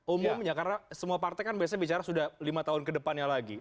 umumnya karena semua partai kan biasanya bicara sudah lima tahun ke depannya lagi